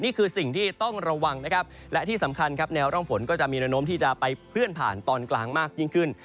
นี่คือสิ่งที่ต้องระวังนะครับและที่สำคัญครับแนวร่องฝนก็จะมีระนมที่จะไปเคลื่อนผ่านตอนกลางมากยิ่งขึ้น